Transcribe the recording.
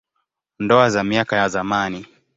Ndoa za miaka ya zamani.